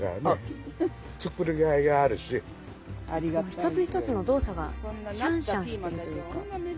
一つ一つの動作がしゃんしゃんしてるというか。